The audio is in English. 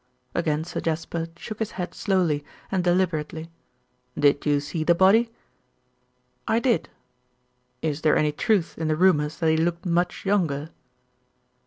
Again Sir Jasper shook his head slowly and deliberately. "Did you see the body?" "I did." "Is there any truth in the rumours that he looked much younger?"